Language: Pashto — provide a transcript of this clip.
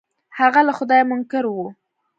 هغه له خدايه منکر و.